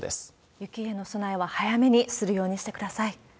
雪への備えは早めにするようにしてください。